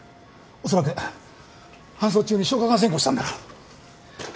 おそらく搬送中に消化管穿孔したんだろう。